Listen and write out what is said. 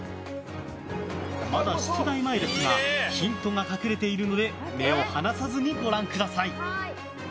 まだ出題前ですがヒントが隠れているので目を離さずにご覧ください。